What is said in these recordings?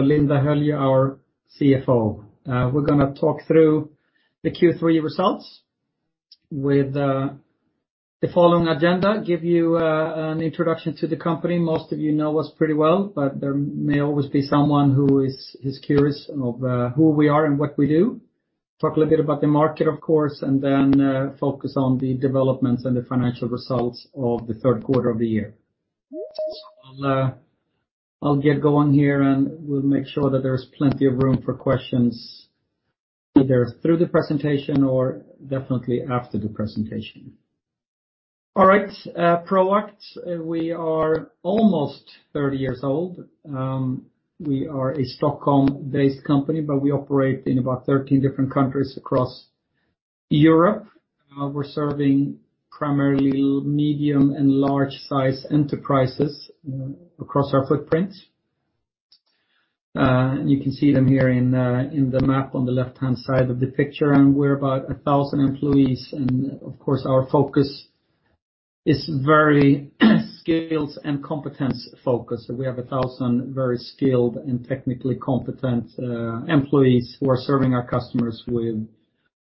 Linda Höljö, our CFO. We're going to talk through the Q3 results with the following agenda, give you an introduction to the company. Most of you know us pretty well, but there may always be someone who is curious of who we are and what we do. Talk a little bit about the market, of course, and then focus on the developments and the financial results of the Q3 of the year. I'll get going here, and we'll make sure that there's plenty of room for questions, either through the presentation or definitely after the presentation. All right. Proact, we are almost 30 years old. We are a Stockholm-based company, but we operate in about 13 different countries across Europe. We're serving primarily medium and large size enterprises across our footprint. You can see them here in the map on the left-hand side of the picture, we're about 1,000 employees. Of course, our focus is very skilled and competence focused. We have 1,000 very skilled and technically competent employees who are serving our customers with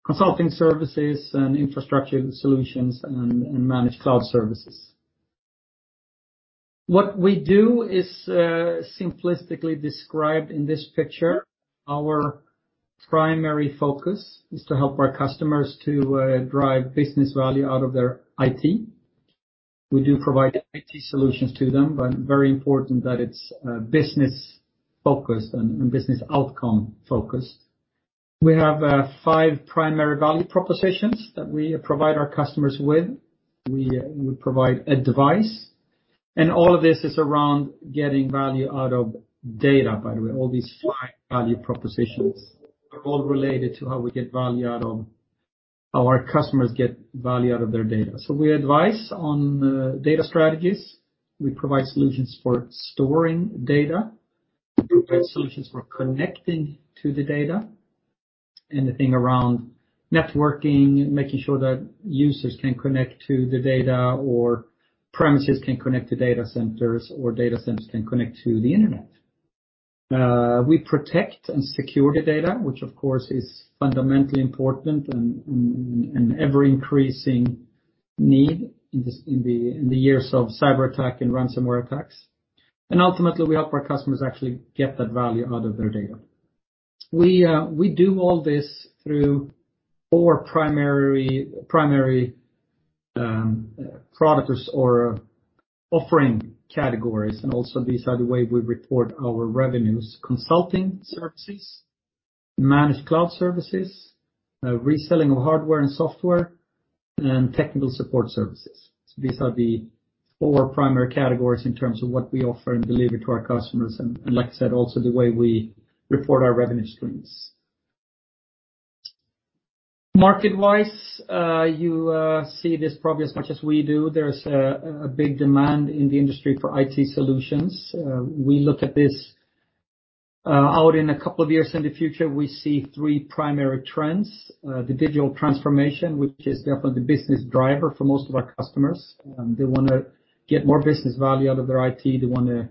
consulting services and infrastructure solutions and managed cloud services. What we do is simplistically described in this picture. Our primary focus is to help our customers to drive business value out of their IT. We do provide IT solutions to them, but very important that it's business-focused and business outcome-focused. We have five primary value propositions that we provide our customers with. We provide advice, and all of this is around getting value out of data, by the way. All these five value propositions are all related to how our customers get value out of their data. We advise on data strategies. We provide solutions for storing data, provide solutions for connecting to the data, anything around networking, making sure that users can connect to the data or premises can connect to data centers, or data centers can connect to the internet. We protect and secure the data, which, of course, is fundamentally important and an ever-increasing need in the years of cyberattack and ransomware attacks. Ultimately, we help our customers actually get that value out of their data. We do all this through four primary products or offering categories, and also these are the way we report our revenues. Consulting services, managed cloud services, reselling of hardware and software, and technical support services. These are the four primary categories in terms of what we offer and deliver to our customers. Like I said, also the way we report our revenue streams. Market-wise, you see this probably as much as we do. There's a big demand in the industry for IT solutions. We look at this out in a couple of years in the future, we see three primary trends. The digital transformation, which is definitely the business driver for most of our customers. They want to get more business value out of their IT. They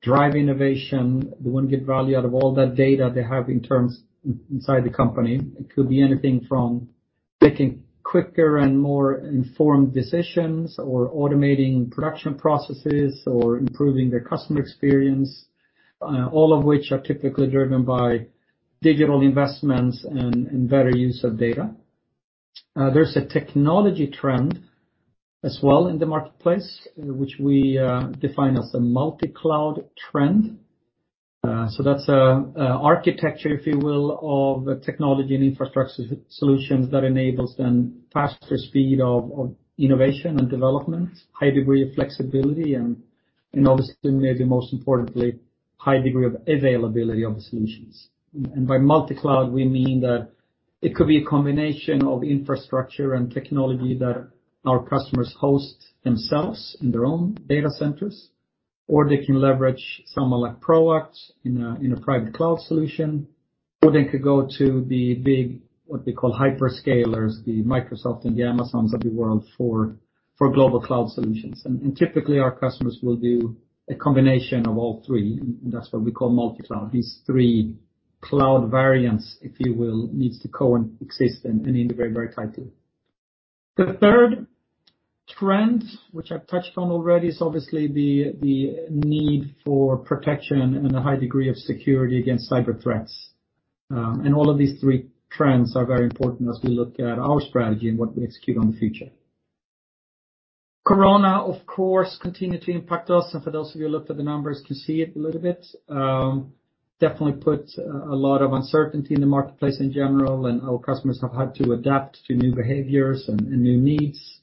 want to drive innovation. They want to get value out of all that data they have inside the company. It could be anything from making quicker and more informed decisions or automating production processes or improving their customer experience, all of which are typically driven by digital investments and better use of data. There's a technology trend as well in the marketplace, which we define as a multi-cloud trend. That's architecture, if you will, of technology and infrastructure solutions that enables then faster speed of innovation and development, high degree of flexibility, and obviously, maybe most importantly, high degree of availability of the solutions. By multi-cloud, we mean that it could be a combination of infrastructure and technology that our customers host themselves in their own data centers, or they can leverage someone like Proact in a private cloud solution, or they could go to the big, what they call hyperscalers, the Microsoft and the Amazons of the world for global cloud solutions. Typically, our customers will do a combination of all three, and that's what we call multi-cloud. These three cloud variants, if you will, needs to co-exist and integrate very tightly. The third trend, which I've touched on already, is obviously the need for protection and a high degree of security against cyber threats. All of these three trends are very important as we look at our strategy and what we execute on the future. Corona, of course, continued to impact us, and for those of you who looked at the numbers can see it a little bit. Definitely put a lot of uncertainty in the marketplace in general, and our customers have had to adapt to new behaviors and new needs.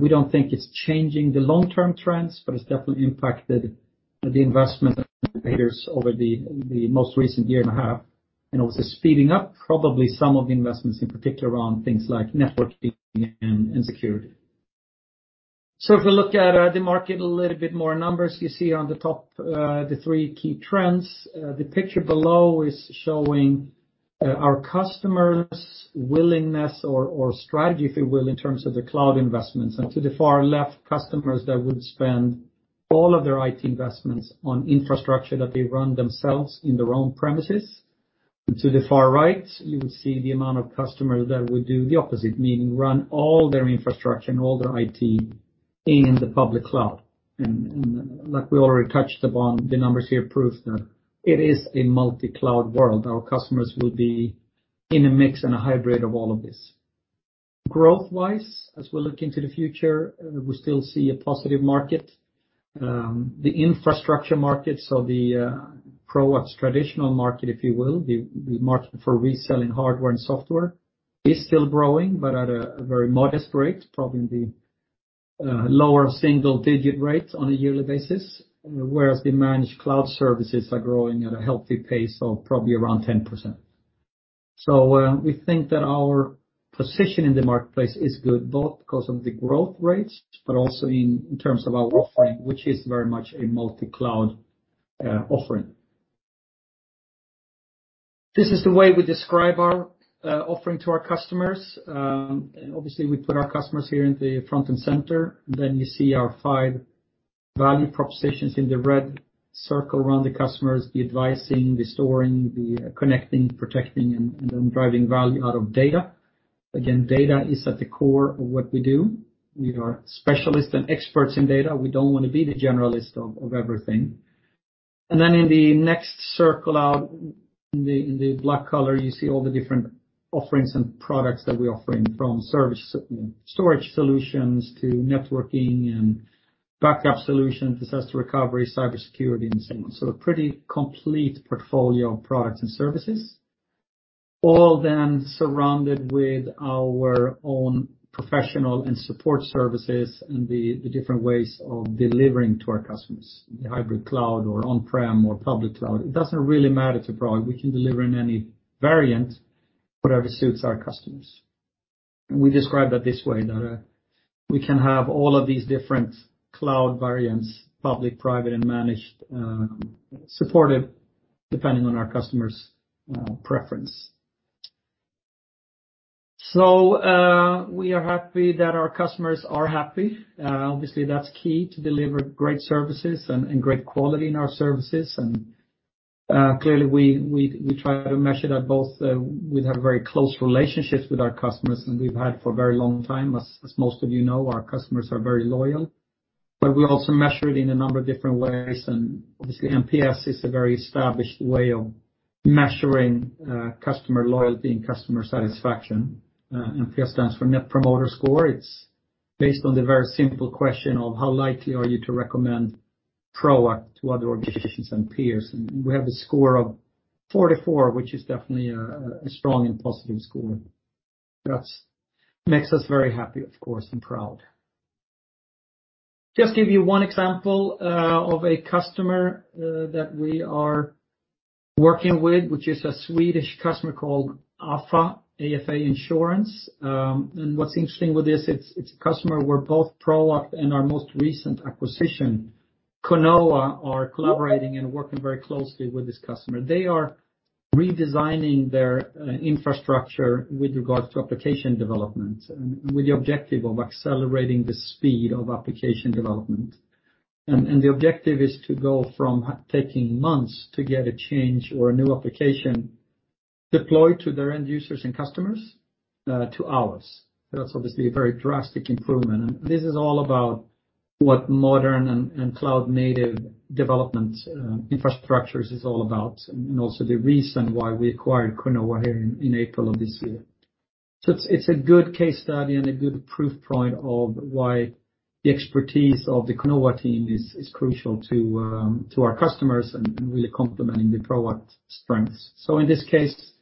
We don't think it's changing the long-term trends, but it's definitely impacted the investment behaviors over the most recent year and a half, and also speeding up probably some of the investments, in particular around things like networking and security. If we look at the market a little bit more in numbers, you see on the top the three key trends. The picture below is showing our customers' willingness or strategy, if you will, in terms of the cloud investments. To the far left, customers that would spend all of their IT investments on infrastructure that they run themselves in their own premises. To the far right, you will see the amount of customers that would do the opposite, meaning run all their infrastructure and all their IT in the public cloud. Like we already touched upon, the numbers here proves that it is a multi-cloud world. Our customers will be in a mix and a hybrid of all of this. Growth-wise, as we look into the future, we still see a positive market. The infrastructure market, so the Proact's traditional market, if you will, the market for reselling hardware and software, is still growing, but at a very modest rate, probably in the lower single-digit rate on a yearly basis. Whereas the managed cloud services are growing at a healthy pace of probably around 10%. We think that our position in the marketplace is good, both because of the growth rates, but also in terms of our offering, which is very much a multi-cloud offering. This is the way we describe our offering to our customers. Obviously, we put our customers here in the front and center. You see our five value propositions in the red circle around the customers, the advising, the storing, the connecting, protecting, and then driving value out of data. Again, data is at the core of what we do. We are specialists and experts in data. We don't want to be the generalist of everything. In the next circle out in the black color, you see all the different offerings and products that we're offering from storage solutions to networking and backup solutions, disaster recovery, cybersecurity, and so on. A pretty complete portfolio of products and services, all then surrounded with our own professional and support services and the different ways of delivering to our customers, the hybrid cloud or on-prem or public cloud. It doesn't really matter to Proact. We can deliver in any variant, whatever suits our customers. We describe that this way, that we can have all of these different cloud variants, public, private, and managed, supported depending on our customer's preference. We are happy that our customers are happy. Obviously, that's key to deliver great services and great quality in our services. Clearly, we try to measure that both. We have very close relationships with our customers, and we've had for a very long time. As most of you know, our customers are very loyal. We also measure it in a number of different ways, and obviously, NPS is a very established way of measuring customer loyalty and customer satisfaction. NPS stands for Net Promoter Score. It's based on the very simple question of how likely are you to recommend Proact to other organizations and peers? We have a score of 44, which is definitely a strong and positive score. That makes us very happy, of course, and proud. Just give you one example of a customer that we are working with, which is a Swedish customer called Afa, Afa Insurance. What's interesting with this, it's a customer where both Proact and our most recent acquisition, Conoa, are collaborating and working very closely with this customer. They are redesigning their infrastructure with regards to application development and with the objective of accelerating the speed of application development. The objective is to go from taking months to get a change or a new application deployed to their end users and customers to hours. That's obviously a very drastic improvement. This is all about what modern and cloud-native development infrastructures is all about, and also the reason why we acquired Conoa AB in April of this year. It's a good case study and a good proof point of why the expertise of the Conoa team is crucial to our customers and really complementing the Proact strengths. In this case,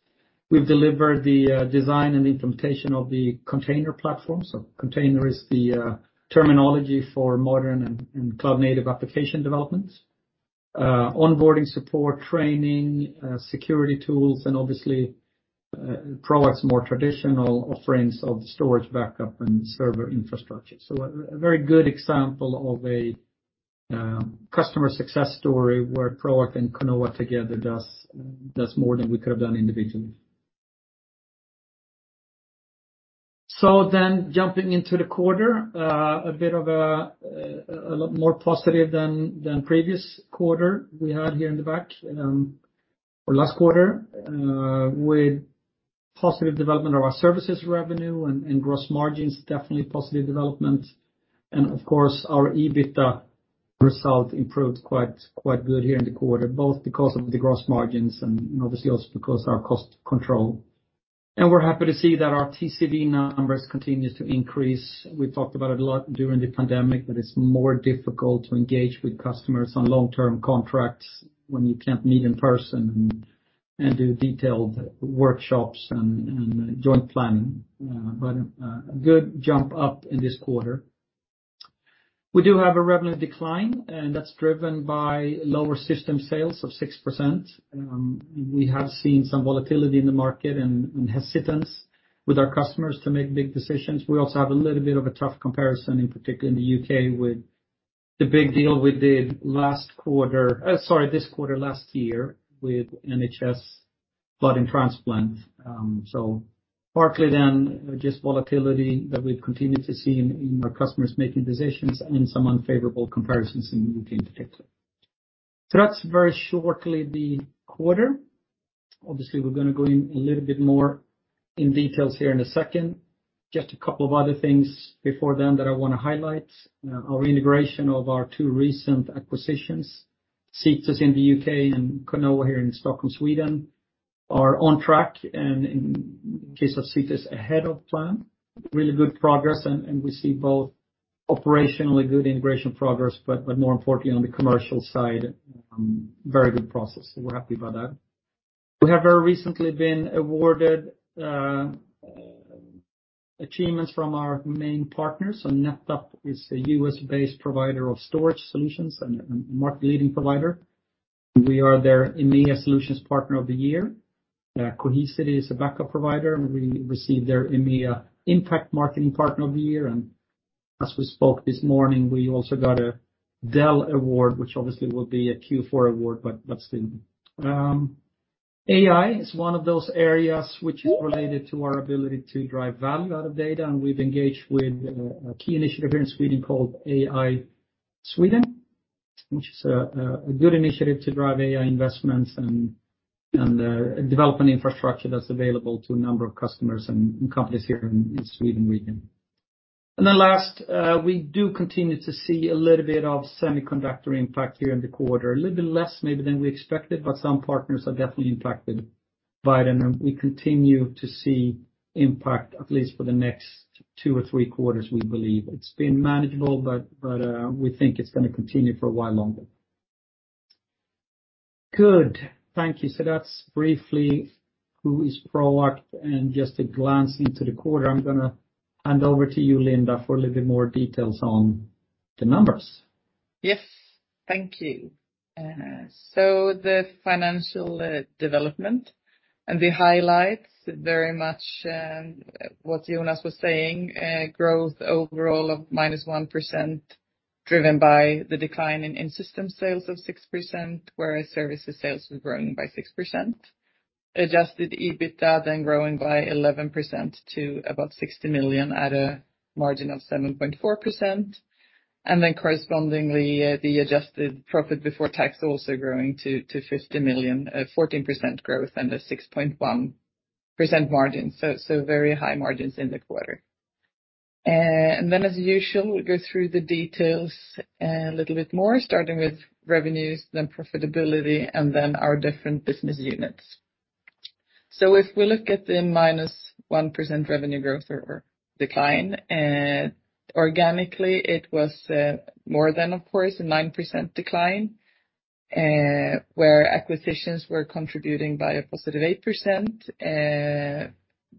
we've delivered the design and implementation of the container platform. Container is the terminology for modern and cloud-native application development. Onboarding support, training, security tools, and obviously Proact's more traditional offerings of storage backup and server infrastructure. A very good example of a customer success story where Proact and Conoa together does more than we could have done individually. Jumping into the quarter, a lot more positive than previous quarter we had here in the back. For last quarter, with positive development of our services revenue and gross margins, definitely positive development. Of course, our EBITDA result improved quite good here in the quarter, both because of the gross margins and obviously also because our cost control. We're happy to see that our TCV numbers continues to increase. We've talked about it a lot during the pandemic, that it's more difficult to engage with customers on long-term contracts when you can't meet in person and do detailed workshops and joint planning. A good jump up in this quarter. We do have a revenue decline. That's driven by lower system sales of 6%. We have seen some volatility in the market and hesitance with our customers to make big decisions. We also have a little bit of a tough comparison in particular in the U.K. with the big deal we did this quarter last year with NHS Blood and Transplant. Partly, just volatility that we've continued to see in our customers making decisions and in some unfavorable comparisons. That's very shortly the quarter. Obviously, we're going to go in a little bit more in details here in a second. Just a couple of other things before then that I want to highlight. Our integration of our two recent acquisitions, Cetus in the U.K. and Conoa here in Stockholm, Sweden, are on track and in case of Cetus, ahead of plan. Really good progress and we see both operationally good integration progress, but more importantly on the commercial side, very good progress. We're happy about that. We have very recently been awarded achievements from our main partners. NetApp is a U.S.-based provider of storage solutions and market leading provider. We are their EMEA Solutions Partner of the Year. Cohesity is a backup provider, and we received their EMEA Impact Marketing Partner of the Year, and as we spoke this morning, we also got a Dell award, which obviously will be a Q4 award, but that's in. AI is one of those areas which is related to our ability to drive value out of data, and we've engaged with a key initiative here in Sweden called AI Sweden. Which is a good initiative to drive AI investments and develop an infrastructure that's available to a number of customers and companies here in Sweden region. Last, we do continue to see a little bit of semiconductor impact here in the quarter. A little bit less maybe than we expected, but some partners are definitely impacted by it, and we continue to see impact at least for the next two or three quarters, we believe. It's been manageable, but we think it's going to continue for a while longer. Good. Thank you. That's briefly who is Proact and just a glance into the quarter. I'm going to hand over to you, Linda, for a little bit more details on the numbers. Yes. Thank you. The financial development and the highlights very much, what Jonas was saying, growth overall of minus 1% driven by the decline in system sales of 6%, whereas services sales was growing by 6%. Adjusted EBITDA growing by 11% to about 60 million at a margin of 7.4%. Correspondingly, the adjusted profit before tax also growing to 50 million, a 14% growth and a 6.1% margin. Very high margins in the quarter. As usual, we go through the details a little bit more, starting with revenues, then profitability, and then our different business units. If we look at the -1% revenue growth or decline, organically, it was more than, of course, a 9% decline, where acquisitions were contributing by a +8%.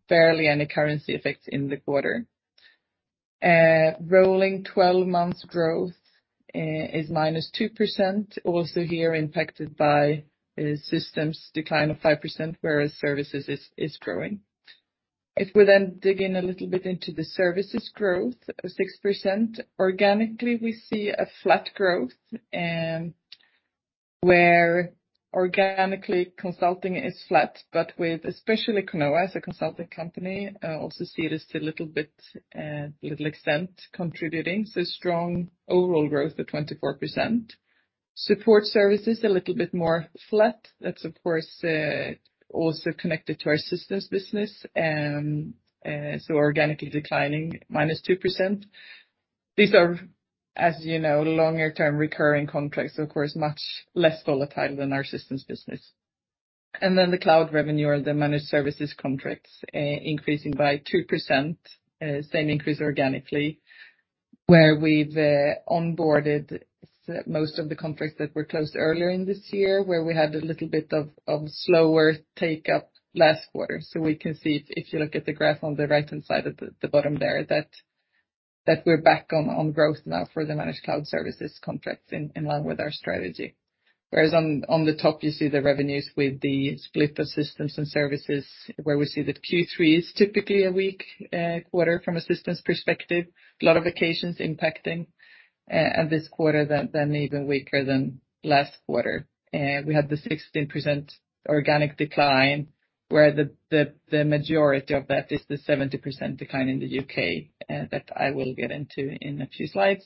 Barely any currency effects in the quarter. Rolling 12 months growth is -2%, also here impacted by systems decline of 5%, whereas services is growing. If we then dig in a little bit into the services growth of 6%, organically, we see a flat growth, where organically consulting is flat, but with especially Conoa as a consulting company, also see it as a little bit, a little extent contributing. Strong overall growth of 24%. Support services are a little bit more flat. That's of course, also connected to our systems business. Organically declining -2%. These are, as you know, longer term recurring contracts, of course, much less volatile than our systems business. The cloud revenue or the managed services contracts increasing by 2%, same increase organically, where we've onboarded most of the contracts that were closed earlier in this year, where we had a little bit of slower take-up last quarter. We can see if you look at the graph on the right-hand side at the bottom there, that we're back on growth now for the managed cloud services contracts in line with our strategy. Whereas on the top, you see the revenues with the split of systems and services where we see that Q3 is typically a weak quarter from a systems perspective. A lot of vacations impacting, and this quarter then even weaker than last quarter. We had the 16% organic decline, where the majority of that is the 70% decline in the U.K., that I will get into in a few slides.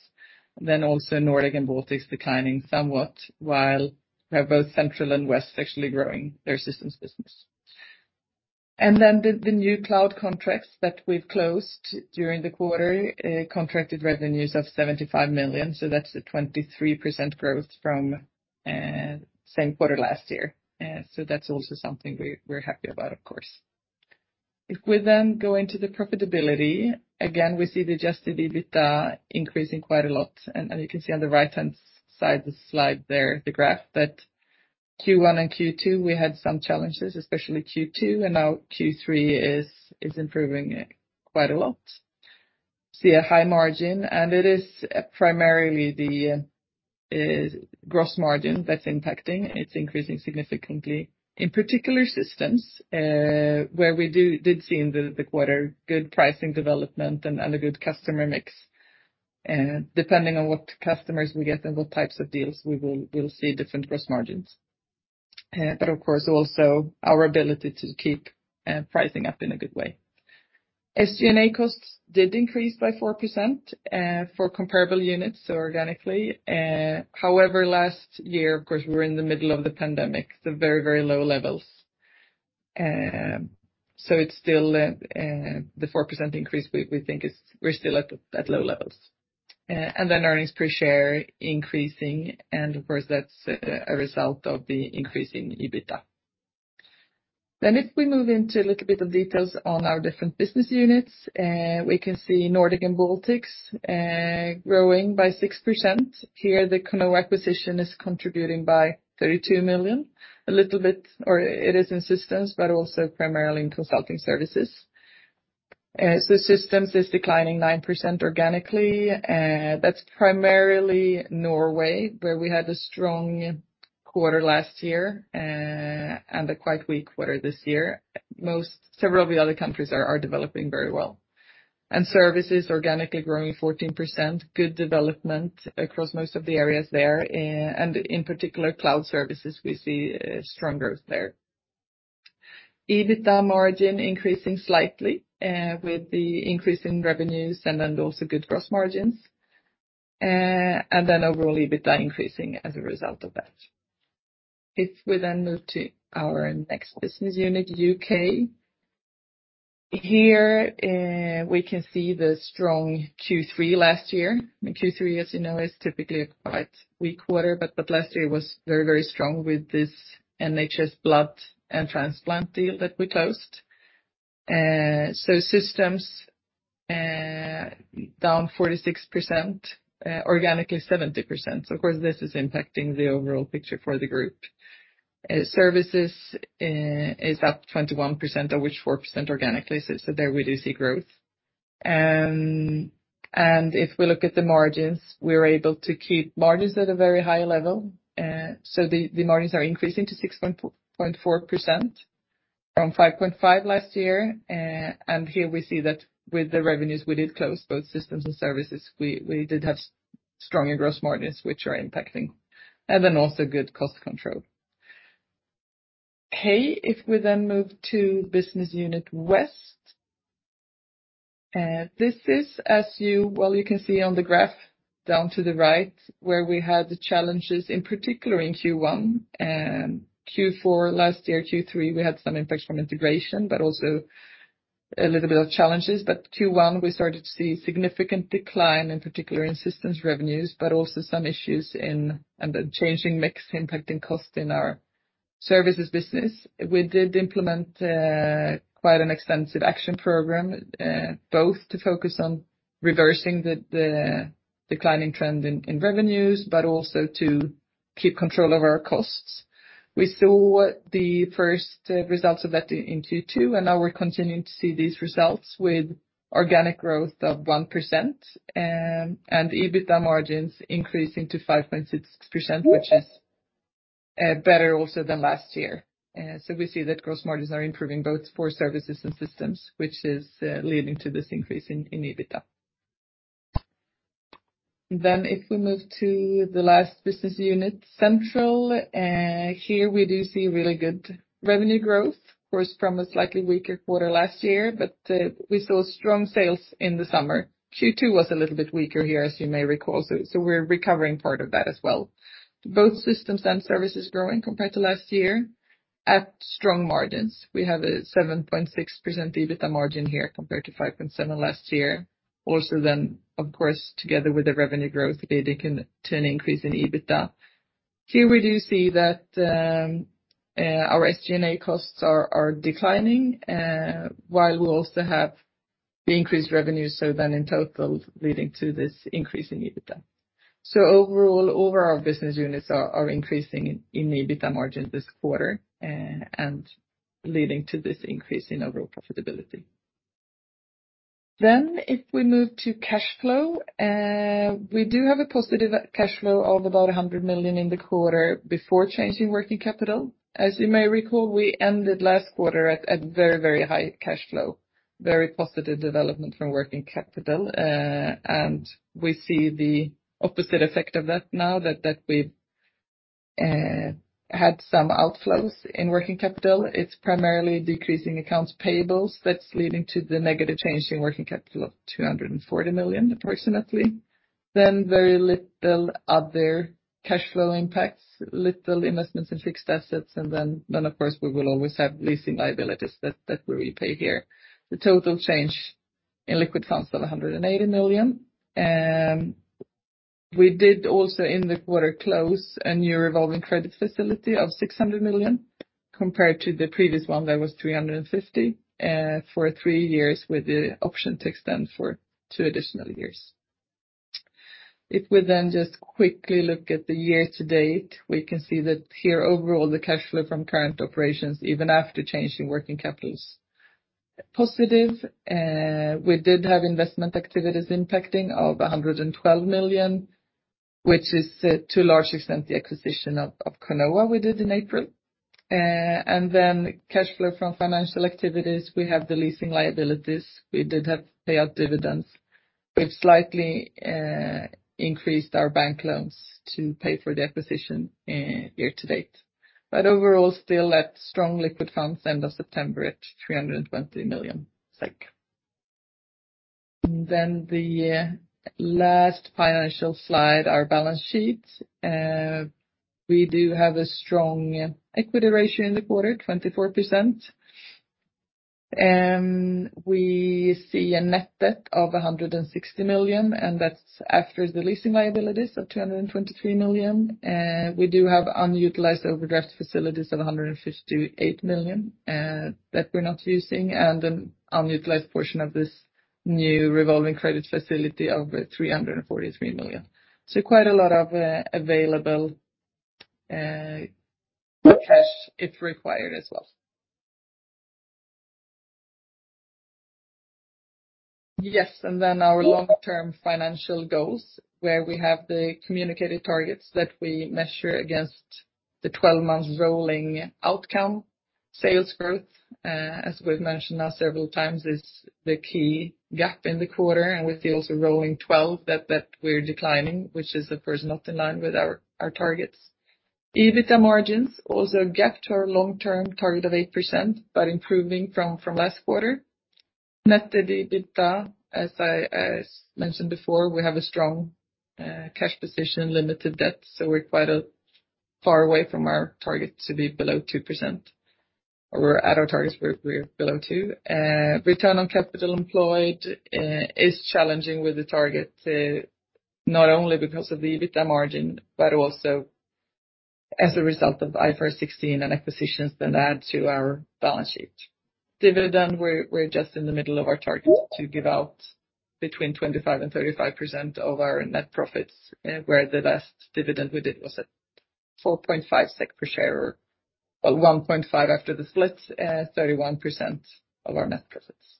Also Nordic and Baltics declining somewhat, while both Central and West actually growing their systems business. The new cloud contracts that we've closed during the quarter, contracted revenues of 75 million. That's a 23% growth from same quarter last year. That's also something we're happy about, of course. If we go into the profitability, again, we see the adjusted EBITDA increasing quite a lot. You can see on the right-hand side of the slide there, the graph, that Q1 and Q2 we had some challenges, especially Q2, and now Q3 is improving quite a lot. We see a high margin, and it is primarily the gross margin that's impacting. It's increasing significantly. In particular Systems, where we did see in the quarter good pricing development and a good customer mix. Depending on what customers we get and what types of deals, we'll see different gross margins. Of course, also our ability to keep pricing up in a good way. SG&A costs did increase by 4% for comparable units, so organically. However, last year, of course, we were in the middle of the pandemic, so very low levels. So, it's still the 4% increase, we think we're still at low levels. Earnings per share increasing, and of course, that's a result of the increase in EBITDA. If we move into a little bit of details on our different business units. We can see Nordic and Baltics growing by 6%. Here, the Conoa acquisition is contributing by 32 million, or it is in Systems but also primarily in Consulting Services. Systems is declining 9% organically. That's primarily Norway, where we had a strong quarter last year and a quite weak quarter this year. Several of the other countries are developing very well. Services organically growing 14%, good development across most of the areas there, and in particular Cloud Services, we see strong growth there. EBITDA margin increasing slightly with the increase in revenues and then also good gross margins. Overall EBITDA increasing as a result of that. We then move to our next business unit, U.K. Here, we can see the strong Q3 last year. Q3, as you know, is typically a quite weak quarter, but last year was very strong with this NHS Blood and Transplant deal that we closed. Systems down 46%, organically 70%. Of course, this is impacting the overall picture for the group. Services is up 21%, of which 4% organically, so there we do see growth. If we look at the margins, we were able to keep margins at a very high level. The margins are increasing to 6.4% from 5.5% last year. Here we see that with the revenues we did close, both systems and services, we did have stronger gross margins, which are impacting, also good cost control. Okay, if we move to business unit West. This is, well, you can see on the graph down to the right, where we had the challenges in particular in Q1 and Q4 last year, Q3, we had some impact from integration, but also a little bit of challenges. Q1, we started to see significant decline, in particular in systems revenues, and the changing mix impacting cost in our services business. We did implement quite an extensive action program, both to focus on reversing the declining trend in revenues, but also to keep control of our costs. We saw the first results of that in Q2. Now we're continuing to see these results with organic growth of 1% and EBITDA margins increasing to 5.6%, which is better also than last year. We see that gross margins are improving both for Services and Systems, which is leading to this increase in EBITDA. If we move to the last business unit, Central. Here we do see really good revenue growth, of course, from a slightly weaker quarter last year, but we saw strong sales in the summer. Q2 was a little bit weaker here, as you may recall. We're recovering part of that as well. Both Systems and Services growing compared to last year at strong margins. We have a 7.6% EBITDA margin here compared to 5.7% last year. Of course, together with the revenue growth, leading to an increase in EBITDA. Here we do see that our SG&A costs are declining, while we also have the increased revenue, in total leading to this increase in EBITDA. Overall, all of our business units are increasing in EBITDA margins this quarter and leading to this increase in overall profitability. If we move to cash flow. We do have a positive cash flow of about 100 million in the quarter before changing working capital. As you may recall, we ended last quarter at very high cash flow, very positive development from working capital. We see the opposite effect of that now that we've had some outflows in working capital. It's primarily decreasing accounts payables that's leading to the negative change in working capital of 240 million, approximately. Very little other cash flow impacts, little investments in fixed assets, and then, of course, we will always have leasing liabilities that we repay here. The total change in liquid funds of 180 million. We did also in the quarter close a new revolving credit facility of 600 million, compared to the previous one that was 350 million, for three years with the option to extend for two additional years. If we just quickly look at the year to date, we can see that here overall, the cash flow from current operations, even after changing working capitals positive. We did have investment activities impacting of 112 million, which is to a large extent the acquisition of Conoa we did in April. Cash flow from financial activities, we have the leasing liabilities. We did have payout dividends. We've slightly increased our bank loans to pay for the acquisition year to date. Overall, still at strong liquid funds end of September at 320 million SEK. The last financial slide, our balance sheet. We do have a strong equity ratio in the quarter, 24%. We see a net debt of 160 million, and that's after the leasing liabilities of 223 million. We do have unutilized overdraft facilities of 158 million that we're not using, and an unutilized portion of this new revolving credit facility of 343 million. Quite a lot of available cash if required as well. Our long term financial goals, where we have the communicated targets that we measure against the 12 months rolling outcome. Sales growth, as we've mentioned now several times, is the key gap in the quarter. We see also rolling 12 that we're declining, which is of course not in line with our targets. EBITDA margins also a gap to our long term target of 8%, but improving from last quarter. Net debt to EBITDA, as mentioned before, we have a strong cash position, limited debt, so we're quite far away from our target to be below 2%. We're at our target, we're below 2%. Return on capital employed is challenging with the target, not only because of the EBITDA margin, but also as a result of IFRS 16 and acquisitions then add to our balance sheet. Dividend, we're just in the middle of our target to give out between 25% and 35% of our net profits, where the last dividend we did was at 4.5 SEK per share, or 1.5 after the split, 31% of our net profits.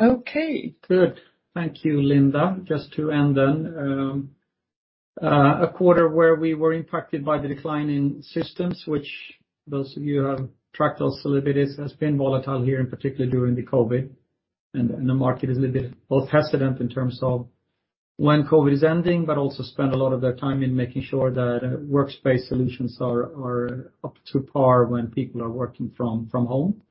Okay. Good. Thank you, Linda. Just to end, a quarter where we were impacted by the decline in systems, which those of you who have tracked us a little bit, it has been volatile here, and particularly during the COVID. The market is a little bit both hesitant in terms of when COVID is ending, but also spent a lot of their time in making sure that workspace solutions are up to par when people are working from home.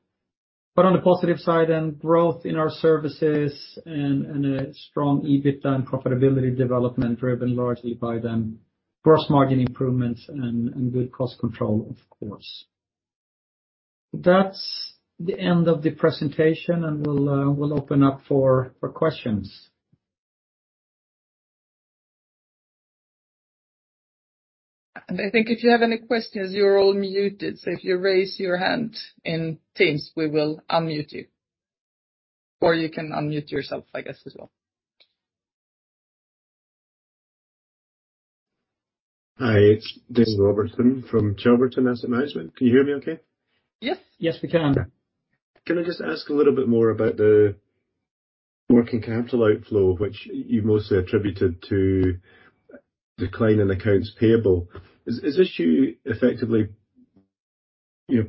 On the positive side, growth in our services and a strong EBITDA and profitability development driven largely by the gross margin improvements and good cost control, of course. That's the end of the presentation, and we'll open up for questions. I think if you have any questions, you're all muted. If you raise your hand in Teams, we will unmute you. You can unmute yourself, I guess, as well. Hi, it's David Robertson from Chiltern Asset Management. Can you hear me okay? Yes. Yes, we can. Can I just ask a little bit more about the working capital outflow, which you mostly attributed to decline in accounts payable. Is this you effectively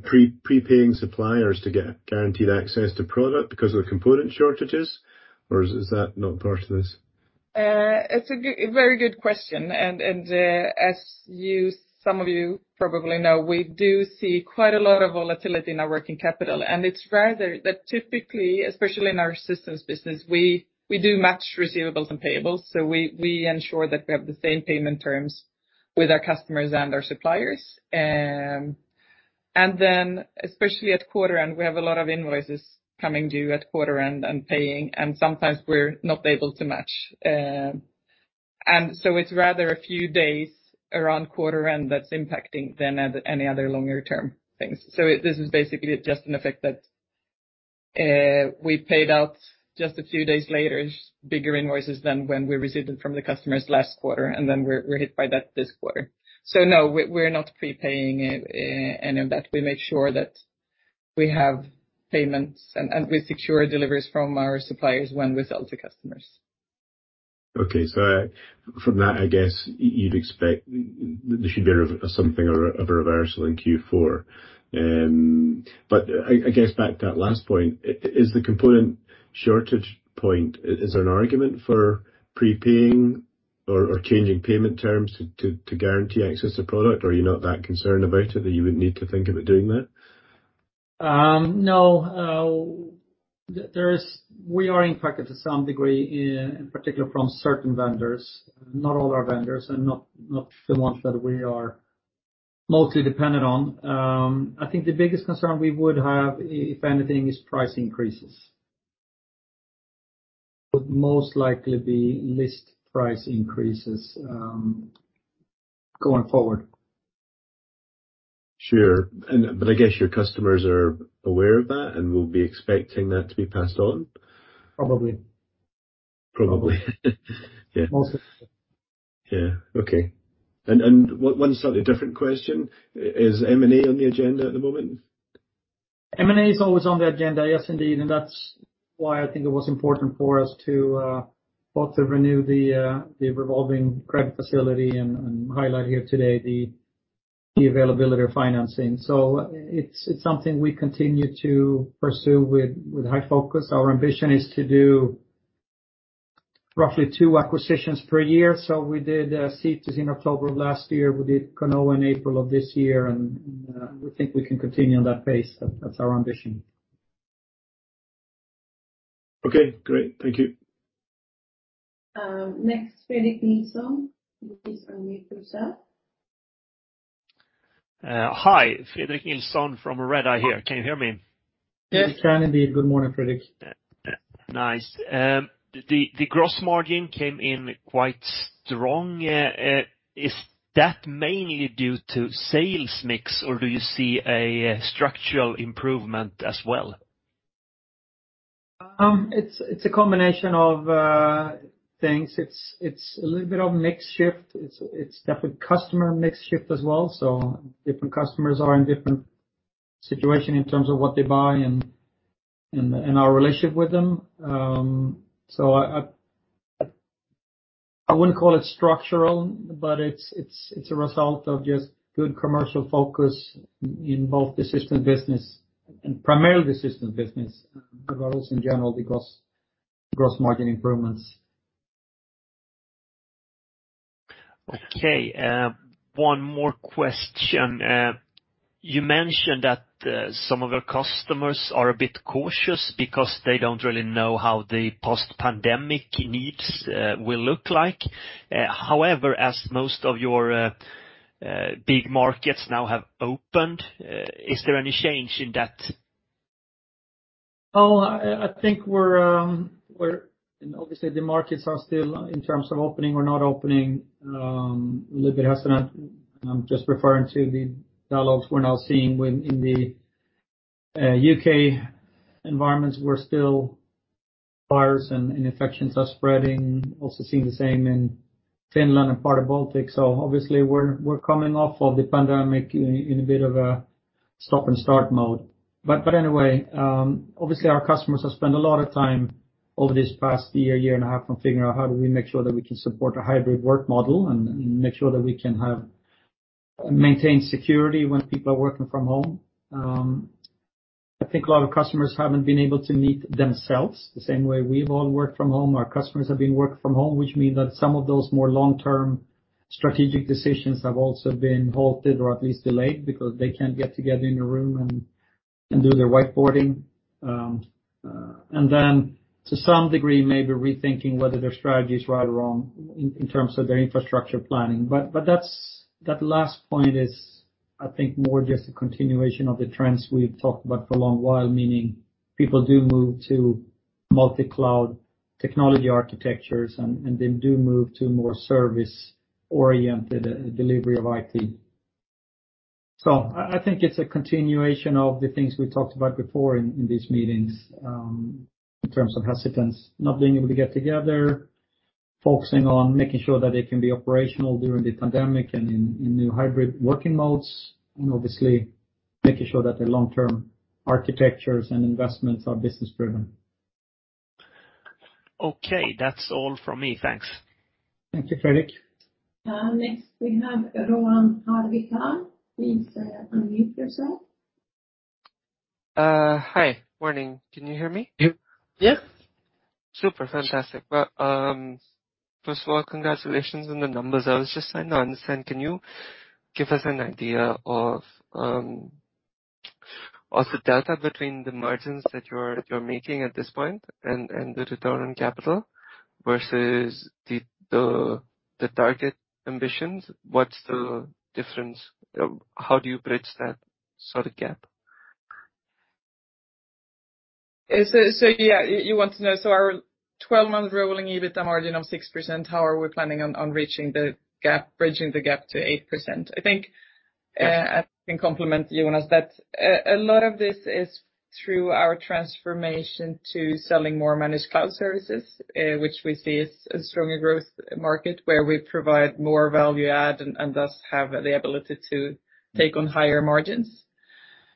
pre-paying suppliers to get guaranteed access to product because of the component shortages, or is that not part of this? It's a very good question. As some of you probably know, we do see quite a lot of volatility in our working capital. It's rather that typically, especially in our systems business, we do match receivables and payables. We ensure that we have the same payment terms with our customers and our suppliers. Especially at quarter end, we have a lot of invoices coming due at quarter end and paying, and sometimes we're not able to match. It's rather a few days around quarter end that's impacting than any other longer term things. This is basically just an effect that we paid out just a few days later, bigger invoices than when we received it from the customers last quarter, and then we're hit by that this quarter. No, we're not pre-paying any of that. We make sure that we have payments, and we secure deliveries from our suppliers when we sell to customers. From that, I guess you'd expect there should be something of a reversal in Q4. I guess back to that last point, is the component shortage point, is there an argument for pre-paying or changing payment terms to guarantee access to product, or are you not that concerned about it that you would need to think about doing that? No. We are impacted to some degree, in particular from certain vendors. Not all our vendors and not the ones that we are mostly dependent on. I think the biggest concern we would have, if anything, is price increases. Would most likely be list price increases going forward. Sure. I guess your customers are aware of that and will be expecting that to be passed on? Probably. Probably. Yeah. Most definitely. Yeah. Okay. One slightly different question, is M&A on the agenda at the moment? M&A is always on the agenda, yes, indeed. That's why I think it was important for us to both renew the revolving credit facility and highlight here today the availability of financing. It's something we continue to pursue with high focus. Our ambition is to do roughly two acquisitions per year. We did Cetus in October of last year, we did Conoa in April of this year, and we think we can continue on that pace. That's our ambition. Okay, great. Thank you. Next, Fredrik Nilsson. Please unmute yourself. Hi. Fredrik Nilsson from Redeye here. Can you hear me? Yes. Can indeed. Good morning, Fredrik. Nice. The gross margin came in quite strong. Is that mainly due to sales mix, or do you see a structural improvement as well? It's a combination of things. It's a little bit of mix shift. It's definitely customer mix shift as well. Different customers are in different situation in terms of what they buy and our relationship with them. I wouldn't call it structural, but it's a result of just good commercial focus in both the system business and primarily the system business, but also in general, the gross margin improvements. Okay. One more question. You mentioned that some of your customers are a bit cautious because they don't really know how the post-pandemic needs will look like. As most of your big markets now have opened, is there any change in that? I think obviously the markets are still, in terms of opening or not opening, a little bit hesitant. I'm just referring to the dialogues we're now seeing in the U.K. environments where still virus and infections are spreading. Also seeing the same in Finland and part of Baltic. Obviously we're coming off of the pandemic in a bit of a stop and start mode. Anyway, obviously our customers have spent a lot of time over this past year and a half on figuring out how do we make sure that we can support a hybrid work model and make sure that we can maintain security when people are working from home. I think a lot of customers haven't been able to meet themselves. The same way we've all worked from home, our customers have been working from home, which means that some of those more long-term strategic decisions have also been halted or at least delayed because they can't get together in a room and do their whiteboarding. To some degree, maybe rethinking whether their strategy is right or wrong in terms of their infrastructure planning. That last point is, I think, more just a continuation of the trends we've talked about for a long while. Meaning people do move to multi-cloud technology architectures and they do move to more service-oriented delivery of IT. I think it's a continuation of the things we talked about before in these meetings, in terms of hesitance, not being able to get together, focusing on making sure that they can be operational during the pandemic and in new hybrid working modes, and obviously making sure that their long-term architectures and investments are business driven. Okay. That's all from me. Thanks. Thank you, Fredrik. Next we have Rohan Harwickar. Please unmute yourself. Hi. Morning. Can you hear me? Yeah. Super. Fantastic. First of all, congratulations on the numbers. I was just trying to understand, can you give us an idea of the delta between the margins that you're making at this point and the return on capital versus the target ambitions? What's the difference? How do you bridge that sort of gap? Yeah. You want to know, our 12-month rolling EBITDA margin of 6%, how are we planning on bridging the gap to 8%? Yes I can complement Jonas that a lot of this is through our transformation to selling more managed cloud services, which we see is a stronger growth market where we provide more value add and thus have the ability to take on higher margins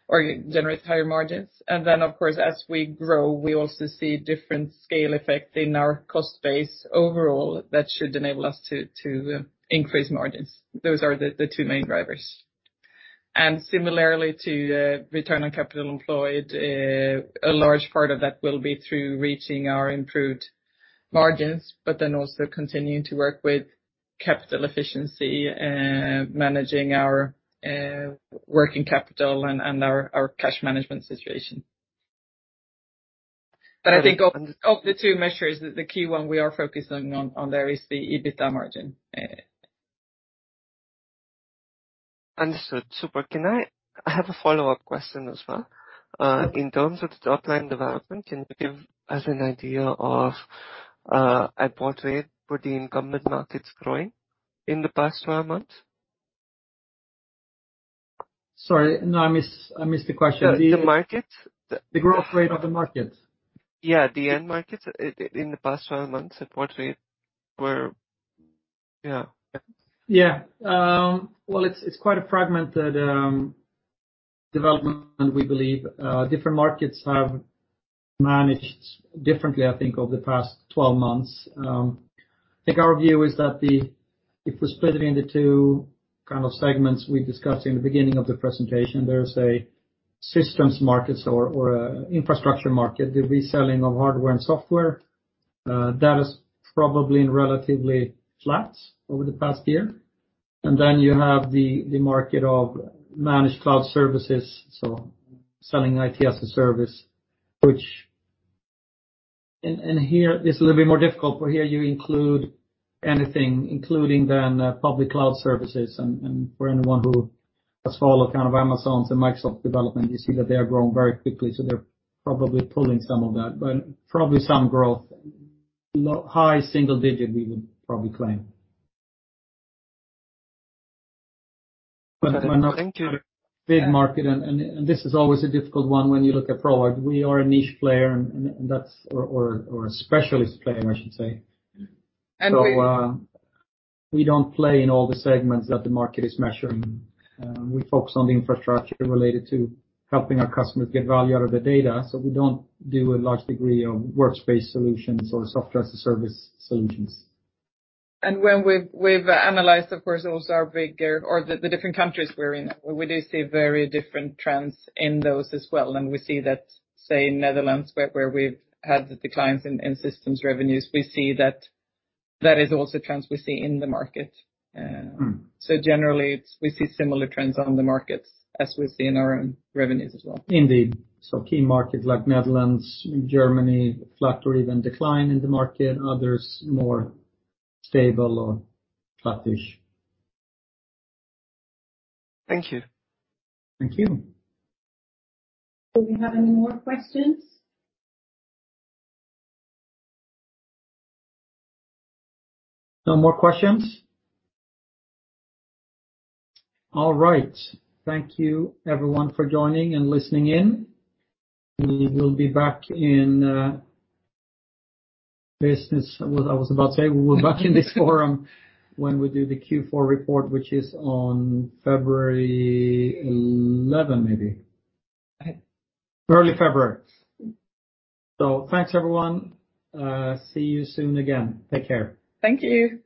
or generate higher margins. Then, of course, as we grow, we also see different scale effect in our cost base overall that should enable us to increase margins. Those are the two main drivers. Similarly to return on capital employed, a large part of that will be through reaching our improved margins, but then also continuing to work with capital efficiency, managing our working capital and our cash management situation. I think of the two measures, the key one we are focusing on there is the EBITDA margin. Understood. Super. I have a follow-up question as well. In terms of the top-line development, can you give us an idea of at what rate were the incumbent markets growing in the past 12 months? Sorry, no, I missed the question. The market. The growth rate of the market. Yeah, the end market in the past 12 months at what we were? Yeah. Well, it's quite a fragmented development, we believe. Different markets have managed differently, I think, over the past 12 months. I think our view is that if we split it into two kind of segments we discussed in the beginning of the presentation, there's a systems market or an infrastructure market, the reselling of hardware and software. That is probably been relatively flat over the past year. Then you have the market of managed cloud services, so selling IT as a service, here it's a little bit more difficult, but here you include anything, including then public cloud services, and for anyone who has followed kind of Amazon's and Microsoft's development, you see that they are growing very quickly, so they're probably pulling some of that, but probably some growth, high single digit, we would probably claim. Thank you. Big market. This is always a difficult one when you look at Proact. We are a niche player or a specialist player, I should say. And we. We don't play in all the segments that the market is measuring. We focus on the infrastructure related to helping our customers get value out of the data. We don't do a large degree of workspace solutions or software as a service solutions. When we’ve analyzed, of course, also our different countries we’re in, we do see very different trends in those as well. We see that, say, in Netherlands, where we’ve had the declines in systems revenues, we see that that is also trends we see in the market. Generally, we see similar trends on the markets as we see in our own revenues as well. Indeed. Key markets like Netherlands, Germany, flat or even decline in the market, others more stable or flattish. Thank you. Thank you. Do we have any more questions? No more questions? All right. Thank you everyone for joining and listening in. We will be back in business. I was about to say we will be back in this forum when we do the Q4 report, which is on February 11, maybe. I think. Early February. Thanks, everyone. See you soon again. Take care. Thank you.